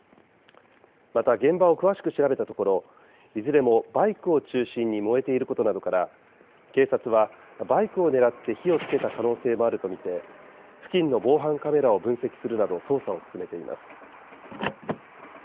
また現場を詳しく調べたところ、いずれもバイクを中心に燃えていることなどから、警察はバイクを狙って火をつけた可能性もあると見て、付近の防犯カメラを分析するなど、捜査を進めています。